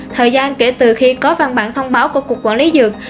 thời gian kể từ khi có văn bản thông báo của cục quản lý dược